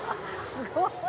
「すごーい！」